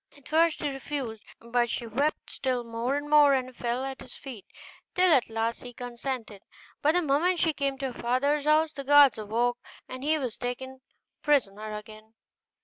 At first he refused, but she wept still more and more, and fell at his feet, till at last he consented; but the moment she came to her father's house the guards awoke and he was taken prisoner again.